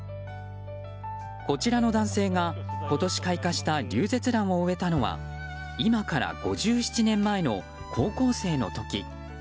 こちらの男性が、今年開花したリュウゼツランを植えたのは今から５７年前の高校生の時。